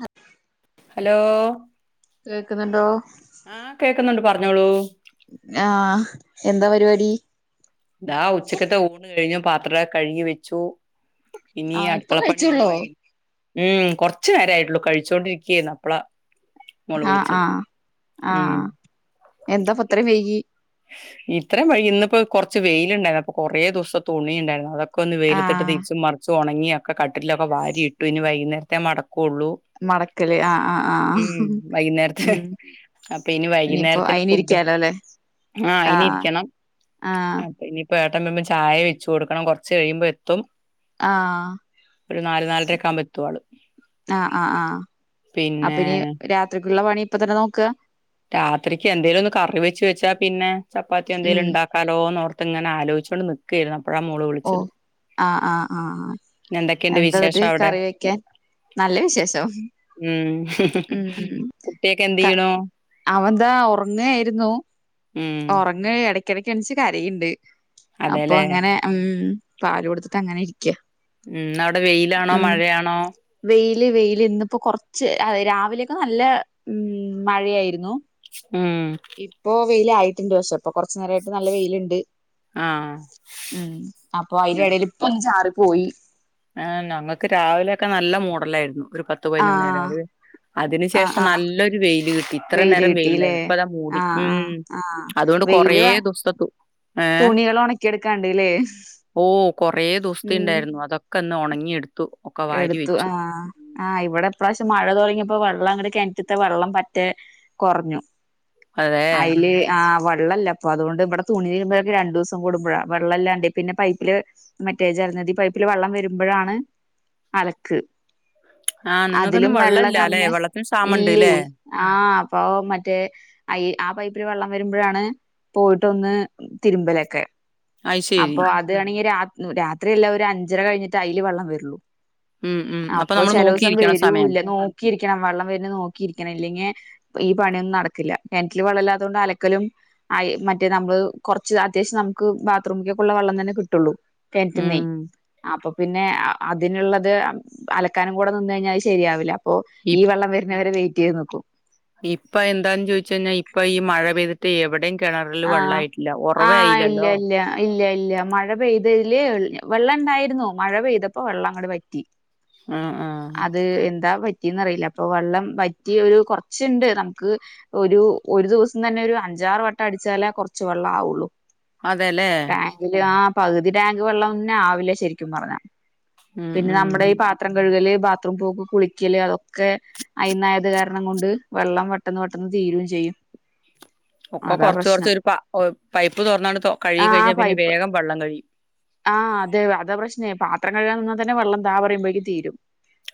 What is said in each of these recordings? അ [inaudible] hello കേക്കുന്നുണ്ടോ ആഹ് കേക്കുന്നുണ്ട് പറഞ്ഞോളൂ ആഹ് എന്താ പരിപാടി ഇതാ ഉച്ചക്കത്തെ ഊണ് കഴിഞ്ഞു പാത്ര കഴുകി വെച്ചു ഇനി ആഹ് ഇപ്പൊ അടുക്കളപ്പണി ഇനി കഴിച്ചോള്ളോ വൈകി ഉം കൊറച്ച് നേരമായിട്ടുള്ളു കഴിച്ചോണ്ടിരിക്കയേരുന്നു അപ്പള ആഹ് ആഹ് ഉം ആഹ് എന്താപ്പ ഇത്ര വേകി ഇത്രയും വൈകി ഇന്നിപ്പോ കൊറച്ച് വെയിലുണ്ടായിരുന്നു അപ്പൊ കൊറേ ദിവസം തുണി ഉണ്ടായിരുന്നു അതൊക്കെ ഒക്ക ഒന്ന് വെയിലത്തിട്ട് ആഹ് തിരിച്ച് മറച്ച് ഉണങ്ങി ഒക്കെ കട്ടിലൊക്കെ വാരി ഇട്ടു ഇനി വൈകുന്നേരത്തെേ മടക്കുള്ളൂ മടക്കല് ആഹ് ആഹ് ആഹ് ഉം വൈകുന്നേരത്തെ ഉം അപ്പൊ ഇനി ഇനിയിപ്പോ വൈകുന്നേരത്തിന് ഫുഡ് അയിനിരിക്കാലോ അല്ലെ ആഹ് അയ്നി ഇരിക്കണം ആഹ് അപ്പോ ഇനി പ ഏട്ടൻ വരുമ്പ ചായ വെച്ചു കൊടുക്കണം കുറച്ച് കഴിയുമ്പോ എത്തും ആഹ് ഒരു നാല് നാലരക്ക ആക്മ്പോ എത്തു ആള് ആഹ് ആഹ് ആഹ് പിന്നെ അപ്പനി രാത്രിക്കുള്ള പണി ഇപ്പൊ തന്നെ നോക്ക രാത്രിക്ക് എന്തേലും ഒന്ന് കറി വെച്ച് വെച്ചാ പിന്നെ ചപ്പാത്തി ഉം എന്തെങ്കിലും ഉണ്ടാക്ക കലോന്ന്ർത്ത് ഇങ്ങനെ ആലോചിച്ചുകോണ്ട് നിക്കുവായിരുന്നു അപ്പോഴാ മോള് ഓ വിളിച്ചത് ആഹ് ആഹ് ആഹ് പിന്നെ എന്തൊക്കെയുണ്ട് എന്താ ഒരു വിശേഷം അവിടെ കറി വെക്കാൻ നല്ല വിശേഷം ഉം ഉം കുട്ടിയൊക്കെ എന്ത് ക ചെയ്യണു അവൻന്താ ഉറങ്ങായിരുന്നു ഉം ഉറങ്ങ ഇടക്കിടക്ക് എണച്ച് കരയണ്ട് അപ്പൊ അതെല്ലേ അങ്ങനെ ഉം പാല് കൊടുത്തിട്ട് അങ്ങനെ ഇരിക്ക ഉം ഇന്നവിടെ വെയിലാണോ ഉം മഴയാണോ വെയില് വെയില് ഇന്നിപ്പോ കുറച്ച് രാവിലെയൊക്കെ നല്ല ഉം മഴയായിരുന്നു ഉം ഇപ്പൊ വെയില് ആയിട്ടുണ്ട് പക്ഷേ ഇപ്പൊ കുറച്ച് നേരമായിട്ട് നല്ല വെയിലുണ്ട് ആഹ് ഉം അപ്പൊ അതിന്റെടയിൽ ഇപ്പൊ ഒന്ന്ചാറി പോയി ആഹ് ഞങ്ങക്ക് രാവിലെ ഒക്കെ നല്ല മൂഡലായിരുന്നു ഒരു പത്ത് പതിനന്ന് മണി ആഹ് വരെ അത് അതിന് ആഹ് ശേഷം ആഹ് നല്ലൊരു വെയില് കിട്ടി ഇത്ര വെയില് നേരം കിട്ടില്ലേ വെയിലുണ്ടായിരുന്നു ഇപ്പൊതാ മൂടി ആഹ് ആഹ് ഉം ആഹ് അതുകൊണ്ട് വെയില് കൊറേ ദിവസത്തെ തുണി ഏഹ് തുണികൾ ഉണക്കിയെടുക്കാണ്ട്ല്ലേ ഓ കൊറേ ദിവസത്തെ ഉം ഉണ്ടായിരുന്നു അതൊക്കെ ക്കന്ന് ഉണങ്ങിയെടുത്തു എടുത്തു ആഹ് ആഹ് ഇവിടെപ്രാവശ്യം മഴ തുടങ്ങിയപ്പോ വെള്ളം അങ്ങട് കിണറ്റത്തെ വെള്ളം പറ്റേ കുറഞ്ഞു അതെ അയ്ല് ആഹ് വെള്ളല്ല അപ്പ അുകൊണ്ട് ഇവിടെ തുണിരുമ്പോഴക്കെ രണ്ട് ദിവസം കൂടുമ്പഴ വെള്ളംല്ലാണ്ട് പിന്നെ പൈപ്പില് മറ്റേ ജലനിധിപൈപ്പിൽ വെള്ളം വരുമ്പോഴാണ് അലക്ക് ആ നിങ്ങക്കൊന്നും അതിലും വെള്ളം വെള്ളല്ല ല്ലെ കമ്മിയ വെള്ളത്തിന് ക്ഷാമണ്ട് ഇല്ലേ ല്ലേ ആഹ അപ്പൊ മറ്റേ അ ആ പൈപ്പിൽ വെള്ളം വരുമ്പോഴാണ് പോയിട്ടൊന്ന് തിരുമ്പലൊക്കെ അയ്ശരി അപ്പൊ അത് വേണെങ്കി രാത്രിയല്ല ഒരു അഞ്ചര കഴിഞ്ഞിട്ട് അല് വെള്ളം വരുള്ളൂ ഉം ഉം അപ്പൊ നമ്മള് ചില ദിവസം നോക്കിയിരിക്കണം സമയം വരൂല്ല നോക്കിയിരിക്കണം വെള്ളം വര നോക്കിയിരിക്കണം ഇല്ലെങ്കിൽ ഈ പണിയൊന്നും നടക്കില്ല നെനറ്റില് വളല്ലാത്തുകൊണ്ട് അലക്കലും ആ മറ്റേ നമ്മള് കുറച്ച് അത്യാവശ്യം നമുക്ക് ബാത്റൂമിലൊക്കെ ഉള്ള വെള്ളം തന്നെ കിട്ടുള്ളൂ തെൻറ്റ ഉം നെയ അപ്പൊ പിന്നെ അതിനുള്ളത് അലക്കാനും കൂടെ നിന്ന കഴിഞ്ഞാല് ശരിയാവില്ല അപ്പൊ ഈ വെള്ളം വരുന്നവരെ വെയിറ്റ് ചെയ്ത് നോക്കും ഇപ്പൊ എന്താന്ന് ചോദിച്ചച്ച് കഴിഞ്ഞാൽ ഇപ്പ ഈ മഴ പെയ്തിട്ട് എവിടെങ്കി കിണറില് ആഹ് വെള്ളായിട്ടില്ല ഉറവേ ആഹ് ഇല്ല ആയില്ലല്ലോ ഇല്ല ഇല്ല ഇല്ല മഴ പെയ്തതില് വെള്ളം ഇണ്ടായിരുന്നു മഴ പെയ്തപ്പോ വെള്ളം അങ്ങോടെ പറ്റി ആ ആ അത് എന്താ പ പറ്റിന്ന്റിയില്ല അപ്പൊ വെള്ളം വറ്റി ഒരു കുറച്ചുണ്ട് നമുക്ക് ഒരു ഒരു ദിവസം തന്നെ ഒരു അഞ്ചാറ് വട്ടം അടിച്ചാലേ കുറച്ച് വെള്ളം ആവുള്ളു അതെല്ലേ ആ പകുതി ടാങ്ക് വെള്ളം ഒന്നെ ആവില്ല ശരിക്കും പറഞ്ഞ ഉം പിന്നെ ഉം നമ്മുടെ ഈ പത്രം കഴുകല് ബാത്റൂം പോ കുളിക്കല് അതൊക്കെ അയുന്നായത് കാരണം കൊണ്ട് വെള്ളം പെട്ടന്ന് പെട്ടന്ന് തീരുകയും ചെയ്യും ഒക്ക അതാ കൊറച്ച് കൊറച്ച് പ്രശ്നം ഒരു പ പൈപ്പ് തുറന്നണ്ട് കഴുകി കഴിഞ്ഞാൽ പിന്നെ വേഗം വെള്ളം കഴിയി ആഹ് അത അത പ്രശ്നേ പത്രം കഴുകാൻ നിന്നാ തന്നെ വെള്ളം താ പറുമ്പോഴേക്ക് തീരും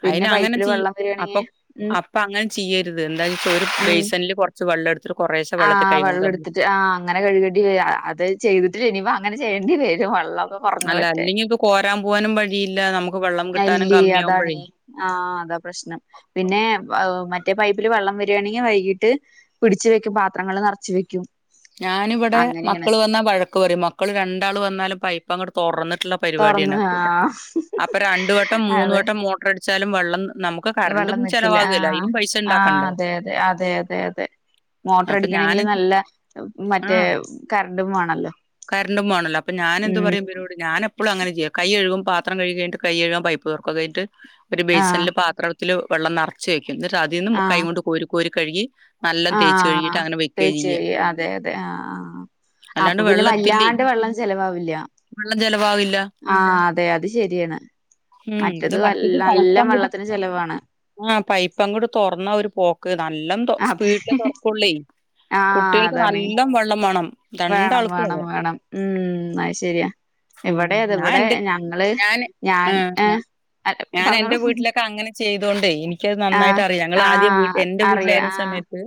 പിന്നെ അയിന് അങ്ങനെ പൈപ്പില് ചെയ വെള്ളം വരാണെങ്കി അപ്പൊ ഉം അപ്പൊ അങ്ങനെ ചെയ്യരുത് എന്താന്ന് വെച്ചാ ഒരു ഉം ബേസണില് കുറച്ച് വെള്ളം എടുത്തിട്ട കുശം വെള്ളത്തി കൈ ആഹ് കൊണ്ട് വെള്ളം എടുത്തിട്ട് ആഹ് അങ്ങനെ കഴുകേണ്ടി വ അത് ചെയ്തിട്ട്നിമ്പ അനെ ചെയ്യേണ്ടി വരും വെള്ളം അല്ല അല്ലെങ്കിൽ ഇപ്പൊ കോരാൻ പോവാനും വഴിയില്ല നമുക്ക് വെള്ളം കിട്ടാനും കമ്മിയാകുമ്പഴി ആഹ അതാ പ്രശ്നം പിന്നെ മറ്റേ പൈപ്പില് വെള്ളം വരിയാണെങ്കിൽ വൈകീട്ട് പിടിച്ച് വെക്കും പാത്രങ്ങൾ നിറച്ചു വെക്കും ഞാനിവിടെ അങ്ങനെയാണ് മക്കള് വന്നാ വഴക്ക പറയും മക്കള് രണ്ടാൾ വന്നാലും പൈപ്പ അങ്ങോട്ട് തുറന്നിട്ടുള്ള തുറന്ന് പരിപാടിയാണ് ആഹ് അപ്പൊ രണ്ട വട്ടം മൂന്ന അതെ വട്ടം മോട്ടർടിച്ചാലും വെള്ളം നമു വെള്ളം നക്കില്ല ആ ആഹ ഉണ്ടാക്കണ്ടേ അതെതെ അതെ അതെ അതെ മോട്ടർ അപ്പൊ ഞാന് അടിക്കണമെങ്കില് നല്ല മറ്റേ കറണ്ടും വേണല്ലോ കരണ്ടുംമാണല്ലോ അപ്പ ഞാൻ എന്ത് പറയും ഉം ഇവരോട് ഞാന ഇപ്പോഴ അങ്ങനെ ചെയ്യുക കൈഴുക്പ പാത്രം കഴിഞ്ഞ് കഴുക്പ പൈപ്പ്റക്ക കഴഞ്ഞട്ട് ഒരു ആഹ് ബായ്സനില് പാത്രം അതില് വെള്ളം നിറച്ച് വെക്കും എന്നിട്ട് അതിൽന്നന്ന് മു കൈക കൊണ്ട് കോരി കോരി കഴുകി നല്ലോം തേച്ച് ആഹ കഴുകിയിട്ട് അങ്ങനെ വെക്കാ ചെയ്യാ. തേച്ചരി അതെ അതെ ആ ആ അല്ലാണ്ട് അപ്പൊ പിന്നെ വെള്ളത്തില്ലേ ഇല്ലാണ്ട് വെള്ളം ചെലവാവില്ല വെള്ളം ചെലവാവില്ല. ആഹ അതെ അത് ശരിയാണ് ഉം ഇത് മറ്റത് വല്ല നല്ല വെള്ളത്തിന് ചെലവാണ് ആഹ പൈപ്പ അങ്ങോട്ട് തുറന്ന ഒരുര് പോക്ക് നല്ല അതെ സ്പീഡില് തുറക്കുള്ളി ആഹ് കുട്ടികൾക്ക് അതാണ് നല്ല വെള്ളം വേണം വേണം രണ്ടാൾക്കും വേണം അതെ വേണം ഉം അത് ശരിയാ ഉം ഇവിടെ അത് ഞാൻ ഇവിടെ എന്റെ ഞങ്ങള് ഞാന് ആ ഞാന് ഏ ഞാ അ ഞാൻ പറഞ്ഞോള എന്റെ വീട്ടിലൊക്കെ അങ്ങനെ ചെയ്തോണ്ടേ ഇനി ക്കത് നന്നായിട്ട് അറിയാം ഞങ്ങൾ ആദ്യ ആഹ് എന്റെ അറിയാ വീട്ടിലായിരുന്ന ആഹ് സമയത്ത്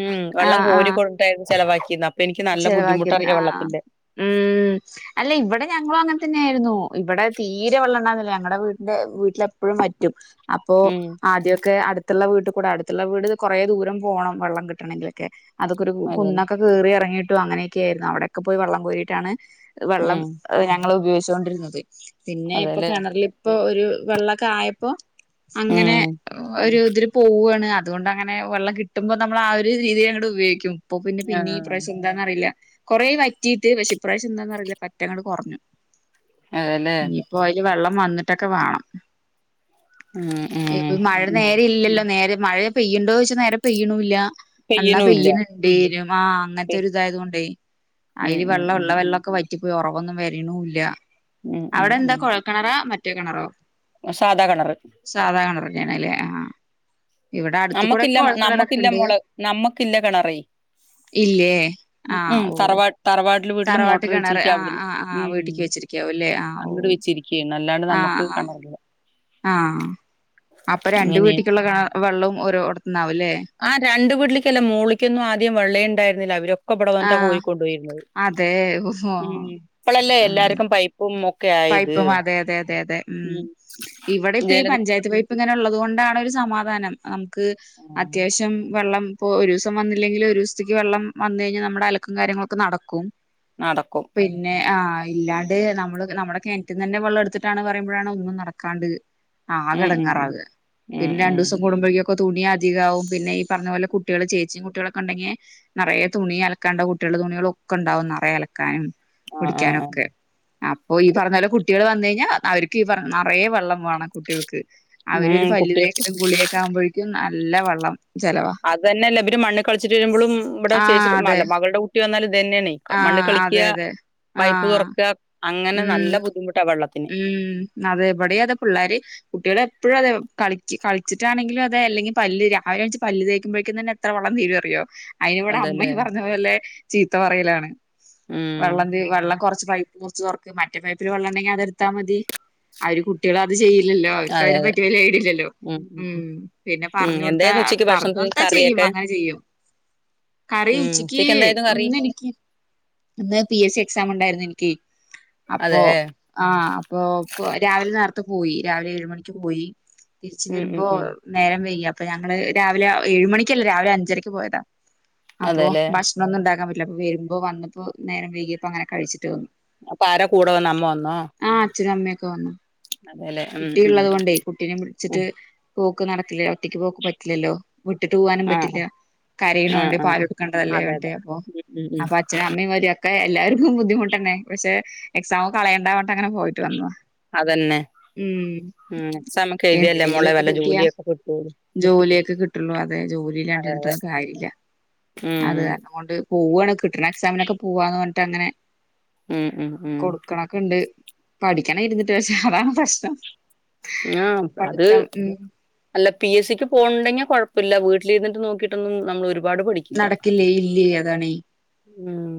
ഉ വെള്ളം ആഹ് ആഹ് കോരിക്ക ചെിലവാക്കി അപ്പൊനിക്ക് നല്ല ചെലവാക്കിന്ന് ബുദ്ധിമുട്ടറിയാം ആഹ് വെള്ളത്തിന്റെ ഉം അല്ല ഇവിടെ അ ഞങ്ങളും അങ്ങനെ തന്നെയ ആയിരുന്നു ഇവിടെ തീരെ വെള്ളംണ്ടായിന്നില്ല ഞങ്ങളടെ വീടിന്റെ വീട്ടിലെപ്പോഴും പറ്റും അപ്പോ ഉം ആദ്യക്കെ അടു അടുത്തുള്ള വീട്ടിൽ കൂടെ അടുത്തുള്ള വീട് കുറെേ ദൂരം പോകണം വെള്ളം കിട്ടണെങ്കിലൊക്കെ അതൊക്കൊ ഒരു അതെല്ലേ കുന്നൊക്കെ ക കേറി ഇറങ്ങിയിട്ടും അങ്ങനെയൊക്കെ ആയിരുന്നു അവിടെയൊക്കെ പോയി വെള്ളം കോയിട്ടാണ് വെള്ളം ഉം ഞങ്ങ ഉപയോഗിച്ചുണ്ടിരുന്നത് പിന്നെ ഇപ്പൊ അതെല്ലേ കിണറിലിപ്പോ ഒരു വെള്ളമൊക്കെ ആയപ്പോ അങ്ങനെ ഉം ഒരു ഇതി പോവാണ് അതുകൊണ്ട് അങ്ങെ വെള്ളം കിട്ടുമ്പോ നമ്മള ആഹ് ഒരു രീതിയിൽ അങ്ങോടെ ഉപയോഗിക്കും ഇപ്പൊ പിന്നെ പിന്നെ ആഹ് ഈശം എന്താന്ന്റിയില്ല കൊറെ വറ്റിയിട്ട് വിഷിപ്രാവശ്യം എന്താന്നറിയില്ല പറ്റങ്ങട്ടട് കുറഞ്ഞു അതല്ലേ പോല് വെള്ളം വന്നിട്ടൊക്കെ വേണം ഉം ഉം ഇ മഴ ഉം നേരെ ഇല്ലല്ലോ നേരെ മഴ പെയ്യണ്ടോ ചൊച്ചാ നേരെ പെയ്യണില്ല എന്നാ പെയ്യണൂല്ല പെയന ഉണ്ടേരും ആഹ് അങ്ങനത്തെ പെ- ഒരു ഇതായത കൊണ്ടേ ഉം അതില് ഉം വെള്ള ഉം ഉള്ളവ ളൊക്കെ വറ്റിപ്പോയി ഉറവൊന്നും വരണൂല്ല ഉം ഉം അവിടെ എന്താ ഉം കുഴൽക്കിണറാ മറ്റേ കിണറോ സാധാ കിണർ സാധാ കിണറനാന്ന് അല്ലേ ആഹ് നമ്മക്കില്ല നമ്മക്കില്ല ഉണ്ട് മുള നമ്മക്കില്ല കിണറേ ഇല്ലേ ആ ഉം ഉം ഓ തർവാട്ട തറവാട്ട വീട്ടിൽ വീട്ടിൽ തറവാട്ട് മോട്ടർ കിണറ് വെച്ചിരിക്ക ആഹ് അവിടന്ന് ആഹ് ആഹ് ഉം വീട്ടിക്ക് വെച്ചിരിക്കാവുല്ലേ ആഹ് ഓ അങ്ങട് വെച്ചിരിക്ക അല്ലാണ്ട് ആഹ് നമ്മുക്ക് ആഹ് [unintelligible] ആഹ് അപ്പൊ രണ്ട് അങ്ങനെ വീട്ടിക്കുള്ള ക വെള്ളവും ഓരോടത്തന്നാവുംല്ലേ ആഹ് രണ്ടു വീട്ടിലിക്കല്ല മുളളിക്കൊന്നും ആദ്യം വെള്ളം ഉണ്ടായിരുന്നില്ല അവരൊക്കെ [unintelligible] ആഹ് കോരിക്കൊണ്ട് പോയിരുന്നത് അതെ ഓഹോ ഉ ഇപ്പോളല്ലേ ഉം എല്ലാർക്കും പൈപ്പ ഉം ഒക്കെ ആയത് പൈപ്പും അതെ അതെ അതെ അതെ ഉം ഇവിടെ ഈ [unintelligible] പഞ്ചായത്ത് ഇപ്പ പൈപ്പ് ഇങ്ങനെ ഉള്ളത് കൊണ്ടാണ് ഒരു സമാധാനം നമുക്ക് ഉം, അത്യാവശ്യം വെള്ളം ഇപ്പൊ ഒരു ദിവസം വന്നില്ലെങ്കിൽ ഒരു ദിവസത്തേക്ക് വെള്ളം വന്ന് കഴിഞ്ഞാ നമ്മുടെ അലക്കും കാര്യങ്ങളൊക്കെ നടക്കും നടക്കും പിന്നെ ആഹ് ഇല്ലാണ്ട് നമ്മള് നമ്മുടെ കിണറ്റിനന്നെ വെള്ളം എടുത്തിട്ടാണ് പറയ്മ്പോഴാണ് ഒന്നും നടക്കാണ്ടത് ആകെ ഉം, ഉം, ഉം. ഇടങ്ങാറാകെ ഉം, പിന്നെ ഉം. രണ്ടു ദിവസം കൂടുമ്പോഴേക്ക ഒക്ക തുണി അധികാവും പിന്നെ ഈ പറഞ്ഞ പോലെ കുട്ടികള് ചേച്ചിയും കുട്ടികളൊക്കെ ഉണ്ടെങ്കിൽ നിറയെ തുണി അലക്കാണ്ടും കുട്ടികളുടെ തുണികള ഒക്കെ ഉണ്ടാവും നിറയ അലക്കാനും ആ, ആ, ആ. കുടിക്കാനൊക്കെ ഓ ഈ കു- പറഞ്ഞ പോല കുട്ടികൾ വന്നു കഴിഞ്ഞാ അവരിക്ക് ഈ പറ നിറയെ വെള്ളം കുട്ടികൾക്ക് അവരു ഉം, ഒരു കുട്ടികൾക്ക് പലുതേക്കലും കുളിയൊക്കെ ആകുമ്പോഴേക്കും നല്ല വെള്ളം ചെലവാ അത് തന്നെല്ല ഇബര് മണ്ണ് കളിച്ച് വരുമ്പോളും ഇവിടെ ആഹ് അതെ ചേച്ചില്ല മകളുടെ കുട്ടി വന്നാലൽ ഇത് തെന്നയാണേ മണ്ണ് ആഹ് കളിക്ക അതെ അതെ പൈപ്പ് ആഹ് തുറക്കുക അങ്ങനെ ഉം നല്ല ബുദ്ധിമുട്ടാ വെള്ളത്തിന് ഉം അതെവിടെ അതെ പിള്ളേര് കുട്ടികളെപ്പോഴും അതെ കളി കളിച്ചിട്ടാണെങ്കിലും അതെ അല്ലെങ്കിൽ പല് രാവിലെണിച്ച് പല് തേക്കുമ്പോഴേക്കും തന്നെ എത്ര വെളം തീരും അറിയോ അയിന് ഇവിടെ അതല്ലേ അമ്മയും പറഞ്ഞല്ലെ പോലെ ചീത്ത പറയലാണ് ഉം വെള്ളം വെള്ളം കുറച്ച് പൈപ്പ കുറച്ച് തുറക്ക് മറ്റേ പൈപ്പിൽ വള്ളണ്ടെങ്കിൽ അതെടുത്താ മതി [unintelligible] കുട്ടികള അത് ചെയ്യില്ലല്ലോ അവർക്ക് അതെ അതിനെ അതെ പറ്റി വലിയ ഐഡില്ലല്ലോ ഉം പിന്നെ ഉം. പറഞ്ഞ കൊടുത്ത എന്തായിരുന്നു ഉച്ചയ്ക്ക് പറഞ്ഞ ഭക്ഷണത്തിന് അത്താ ചെയ്യും കറിയൊക്കെ അങ്ങനെ ചെയ്യും കറി ഉം ഉച്ചിക്ക് ഉച്ചയ്ക്ക് എന്തായിരുന്നു കറി ഒന്ന് എനിക്ക് ഇന്ന് പി എസ് സി എക്സാം ഉണ്ടായിരുന്നു എനിക്ക് അതെ അപ്പൊ ആഹ് അപ്പൊ രാവിലെ നേരത്തെ പോയി രാവിലെ ഏഴ് മണിക്ക് പോയി തിരിച്ച് ഉം ഉം വരുമ്പോ ഉം നേരം വെയ്യി അപ്പൊ ഞങ്ങള് രാവിലെ ഏഴഏഴ് മണിക്കല്ലേ രാവിലെ അഞ്ചരക്ക് പോയതാ അപ്പോ അതെല്ലേ ഭ ക്ഷണൊന്നും ഉണ്ടാക്കാൻ പറ്റില്ല വരുമ്പോ വന്നപ്പോ ന നേര വകിയപ്പോ അങ്ങനെ കഴിച്ചു വന്നു അപ്പ ആര കൂട വന്ന അമ്മ വന്നോ ആഹ് അച്ഛനു അമ്മേക്ക വന്നു അതെല്ലേ ഉം കുട്ടി ഉം ഉള്ളത് കൊണ്ടേ കുട്ടീനെ പിടിച്ചിട്ട് ഉം പോക്ക് നടക്കില്ലല്ലോ ഒറ്റയ്ക്ക് പോക്ക് പറ്റില്ലല്ലോ വിട്ടിട്ട് പോകാനും ആഹ് പറ്റില്ല ആഹ് ആഹ് കരീനോണ്ട് പാ ആഹ് കൊടുക്കേണ്ടതല്ലേ അതെ വണ്ടേ അതെ അപ്പൊ ഉം ഉം ഉം അപ്പൊ അച്ഛനും അമ്മയും ഒക്കെ എല്ലാവർക്കും ബുദ്ധിമുട്ട തന്നെ പക്ഷെ എക്സാം കളയണ്ടണ്ട് അങ്ങനെ പോയിട്ട് വന്നത അതന്നെ ഉം എക്സാമൊക്കെ എഴുതിയാലല്ലേ എന്തിലെങ്കിലും മോളെ ഒന്ന് വല്ല കിട്ടിയാ ജോലിയൊക്കെ കിട്ടുള്ളൂ ജോലിയൊക്കെ കിട്ടുള്ളൂ അതേ ജോലി അതെ ഇല്ലാണ്ടിരുന്നിട്ടൊന്നും കാര്യല്ല ഉം അത് കാരണം കൊണ്ട് പോവാണ് കിട്ടണ എക്സാമിനൊക്കെ പോവാന്ന് പറഞ്ഞിട്ട് അങ്ങനെ ഉം ഉം ഉം കൊടുക്കണ് ക്കെണ്ട് പഠിക്കാന ഇരുന്നിട്ട് പക്ഷെ അതാണ് പ്രശ്നം ആഹ അത് പഠിത്തം ഉം അല്ല പി എസ് സി ക്ക് പോവ്ണ്ടെങ്കിൽ കൊഴപ്പില്ല വീട്ടില്ര്ന്നിട്ട് നോക്കിട്ടൊന്നും നമ്മള് ഒരുപാട് പഠിക്ക നടക്കില്ലേ ഇല്ലേ അതാണെ ഉം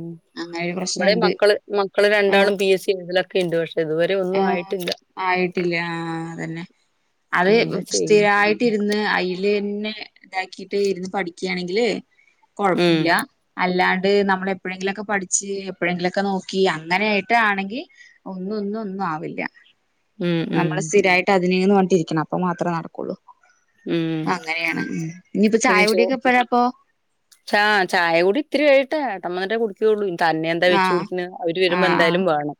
ഇവിടെ മക്കള് മക്കള് ആഹ് രണ്ടാളും പി എസ് സി [unintelligible] ഒക്കെ ഇണ്ട് പക്ഷെ ഇതുവരെ ഒന്നും ആഹ് ആയിട്ടില്ല. ആയിട്ടില്ല ആഹ് അതന്നെ അത് എന്താ ചെയ്യും സ്ഥിരായി ഇട്ടിരുന്ന് അയിലെന്നെ ഇതാക്കിട്ട് ഇരുന്ന് പഠിക്കയാണെങ്കില് ഉം കൊഴപ്പുല അല്ലാണ്ട് നമ്മൾ എപ്പോഴെങ്കിലുംക്കെ പഠിച്ച് എപ്പോഴെങ്കിലുംക്കെ നോക്കി അങ്ങനെയായിട്ടണെങ്കിൽ ഒന്നും ഒന്നും ഒന്നും ആവില്ല. ഉം ഉം നമ്മള് സ്ഥിരായിട്ട് അതിന് ന്ന് പറഞ്ഞ്ട്ട് ഇരിക്കണം അപ്പൊ മാത്രമേ നടക്കുള്ളൂ. ഉം അങ്ങനെയാണ് ഇനിയിപ്പോ പിന്നെ ചായകുടി ചോ യൊക്കെ എപ്പോഴാപ്പൊ? ചാ ചായ കുടി ഇത്തിരി കഴിയട്ടെ ഏട്ടൻ വന്നിട്ടെ കുടി ക്കുള്ളൂ തന്നെ എന്താ വെച്ച് ആഹ് കുടിക്കണേ അവര് വരുമ്പോ ആഹ് ആഹ് എന്തായാലും വേണം.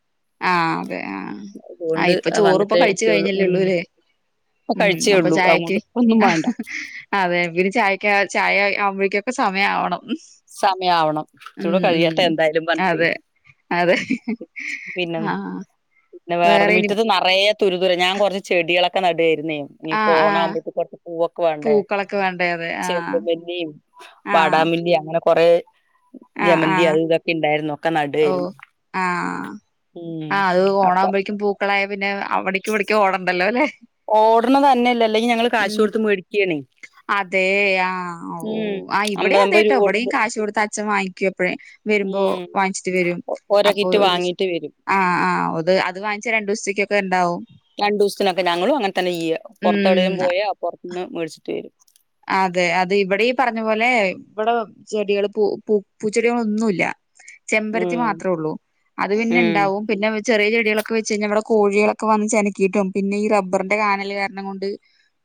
ആഹ് അതെ ആഹ് ആ അതുകൊണ്ട് ഇപ്പൊ ചോറ് ഇപ്പം വന്നിട്ടേ കഴിച്ചു വെക്കുള്ളൂ. ഉം. കഴിഞ്ഞല്ലേള്ളൂ ല്ലേ? ഇപ്പൊ ഉം കഴിച്ചേ അപ്പൊ ഉള്ളൂ. ചായയ്ക്ക് അതുകൊണ്ട് ഇപ്പൊ ഒന്നും വേണ്ട. അതെ പിന്നെ ചായയ്ക്ക് ചായ ആവുമ്പോഴേക്കൊക്കെ സമയം ആ വണം. സമയം ആവണം കുറെച്ചൂടെകഴിയട്ടെ എന്തായാലും പറഞ്ഞ്. അതെ അതെ പിന്നെ ആഹ് ആഹ്. പിന്നെ വേറെ മിറ്റത്ത് നറയെ തുരുതുര ഞാൻ കൊറച്ച് ചെടികളൊക്കെ നടുവേർന്നെ. ഇനിപ്പം ആഹ് ആഹ് ഓണകുംപോത്തേക്ക് കൊറച്ച് പൂവൊക്കെ വണ്ടേ? പൂക്കളൊക്കെ വേണ്ടേ അതെ ആഹ് ചെണ്ടു മല്ലിം വാടാ ആഹ് മല്ലിം അങ്ങനെ കൊറെ.. ആഹ് ജമന്തി ആഹ് അത് ഇതൊക്കെ ഇണ്ടായിരുന്നു ഒക്കെ ഓ നടായിരുന്നു. ആഹ് ആഹ് അത് അപ്പൊ ഓണാകുമ്പോഴേക്കും പൂക്ക് പൂക്കളായാൽ പിന്നെ അവിടേക്കും ഇവിടേക്കും ഓടണ്ടല്ലോ ല്ലേ. ഓട്ണതന്നെ അല്ലാ അല്ലെങ്കിൽ ഞങ്ങള് കാശ് കൊടുത്ത് മേടിക്കാണെ. അതെ ആഹ് ഓ ആഹ് ഇവിടെ അതെ അമ്പതമ്പത് രൂപ ട്ടോ വിടെയും കൊടുത്ത് കാശ് കൊടുത്ത അച്ഛൻ വാങ്ങിക്കുപ്പഴേ. ഉം... വാങ്ങിച്ചിട്ട് വരും ഒ- ഓരോ അപ്പൊ കിറ്റ് ഒരു വാങ്ങീട്ട് വരും ആ ആ അത് വാങ്ങിച്ച രണ്ടു ദിവസത്തേക്കൊക്കെ ഇണ്ടാവും രണ്ടു ദൊവസത്തിനൊക്കെ ഞങ്ങളും അങ്ങനെ തന്നെ ചെയ്യ പൊറത്ത് എവിടേലും ഉം പോയ ആ പൊറത്ത്ന്ന് മേടിച്ച്ട്ട് വരും. അതെ അതെ ഇവിടെ ഈ പറഞ്ഞ പോലെ വടെ ചെടികൾ പൂ പൂ പൂച്ചെടികളൊന്നുല്ല്യ. ചെമ്പരത്തി ഉം മാത്രേ ഒള്ളൂ അത് പിന്നെ ഉം ഇണ്ടാവും. പിന്നെ വെ ചെറിയ ചെട്യളൊക്കെ വെച്ച് കഴിഞ്ഞാൽവിടെ കോഴികളൊക്കെ വന്ന് ചനക്കിയിട്ടും പിന്നെ ഈ റബറിന്റെ കാനൽ കാരണം കൊണ്ട്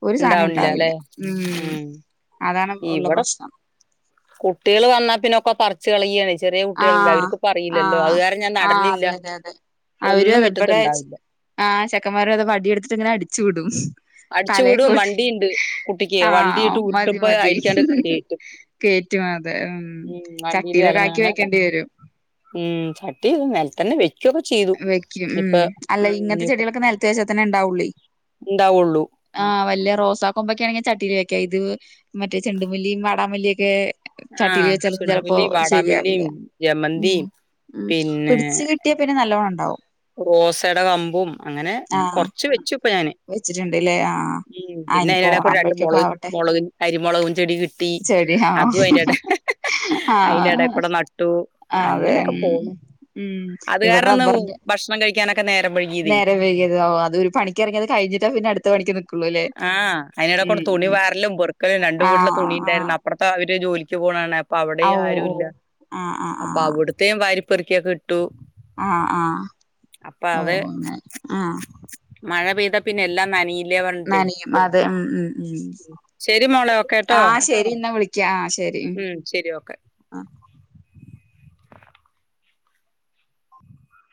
ഒരു സാനും ഇണ്ടാവണില്ല ഉണ്ടാവില്ല ല്ലേ ഉം അതാണ് ഒള്ള ഇവിടെ പ്രശ്നം. കുട്ടികള് വന്നാൽ പിന്നെ ഒക്കെ പറിച് റിച്ച് കളയാണെ ചെറിയ കുട്ടികള്ണ്ടെ ആഹ് അവർക്ക് പ്പോ അറിയില്ലല്ലോ അത് ആഹ് കാരണം ഞാൻ ആഹ് നടലില്ല. അതെ അതെ അതെ അവരും ഒന്നും അതെ മിറ്റത്ത് ഇവിടെ ഇണ്ടാവില്ല. ആഹ് ചെക്കന്മാർ അത് വടി എടുത്തിട്ട് ഇങ്ങനെ അടിച്ചു വിടും. അടിച്ചു വിടും തലേകൂട്ടി വണ്ടിയിണ്ട് കുട്ടിക്ക് ആഹ് വണ്ടിയിട്ട് മതി ഉരുട്ടുമ്പോ മതി അയിലിക്കാണ്ട് ഹ് ഹ്.. കേറ്റും കേറ്റും അതെ ഉം ചട്ടിയിലൊക്കെ അക്കി. അങ്ങനെക്കെ ഉം ചട്ടീൽ അല്ലാ നെലത്തന്നെ വെക്കൊക്കെ ചെയ്യും. വെക്കും ഉം അല്ല ഇങ്ങനത്തെ ചെടികളൊക്കെ നെലത്ത് വെച്ചാൽ തന്നെ ഇണ്ടാവൂള്ളെ. ണ്ടാവുള്ളൂ. ആഹ് വല്യ റോസ കൊമ്പ് ഒക്കെയാണെങ്കിൽ ചട്ടിൽ വെക്ക ഇത് മറ്റേ ചെണ്ടുമല്ലിയും വാടാമല്ലിയൊക്കെ. ചട്ടീൽ ആഹ് വെച്ചാലൊന്നും ചെലപ്പോ ചുണ്ടുമല്ലിയും ശെരിയാവില്ല. വാടാമല്ലിയും ഉം ജമന്തിയും ഉം പിന്നെ പിടിച്ചു കി നല്ലോണം ഉണ്ടാവും. റോസയുടെ കമ്പും അങ്ങനെ കൊറച്ച് വെച്ചു ഇപ്പം ഞാന്. വെച്ചിട്ട്ണ്ട്ല്ലേ ആഹ്.. ഉം ആഹ് പിന്നെ ഇനിപ്പോ അതിനിടയിൽ കൂടെ രണ്ട് ഓണാവുമ്പഴേക്കൊക്കെ മുളക് ആവട്ടെ മുളക അരിമുളകും ചെടി കിട്ടി ചെടി അതും ആഹ് അയിന്റെ എടെ ഹ് ഹ് അയിന്റെഎടെ ആഹ് കൂടെ നട്ടു അതെ അങ്ങനെയൊക്കെ ഉം പോകും ഉം അത് ഇവിടെ കാരണംന്ന് റബ്ബറിന്റെ ഭക്ഷണം കഴിക്കാനൊക്കെ നേരവൈകിയതേ നേരം വൈകിയത് അത് ഒരു പണി ഇറങ്ങത് കഴിഞ്ഞിട്ടാ പിന്നെ അടുത്ത് പണിക് നി ആഹ് അയിനേടേകൂടെ തുണി വാരലും പെർക്കലും രണ്ടു വീട്ടിലെ ആഹ് തുണി ആഹ് ഇണ്ടായിരുന്നു അപ്പറത്തെ അവര് ജോലിക്ക് പോണാണ് അപ്പൊ ഔ അവിടെയും ഓ ഓ ആരുല്ല ആഹ് അപ്പൊ ആഹ് അവിടു ഇത്രേയും വാരിപ്പെറിക്കിയൊക്കെ ഇട്ടു ആഹ് ആഹ് അപ്പൊ ഓ അത് ഒ ആഹ് മഴ പെയ്താ പിന്നെ എല്ലാം നനയും നനിയും അതെ ഉം ഉം ഉം ഉം ശരി മോളെ ഓക്കേട്ടോ ആഹ് ശരി എന്നാ വിളിക് ക്ക ശരി ഉം ശരി ഓക്കെ ഉം